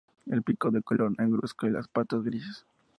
El pico de color negruzco y las patas grises.